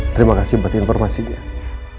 terima kasih buat informasinya